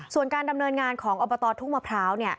ส่วนการดำเนินงานของอบตทุ่งมะพร้าว